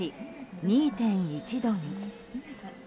２．１度に。